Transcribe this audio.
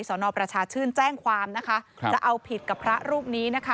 สอนอประชาชื่นแจ้งความจะเอาผิดกับพระรูปนี้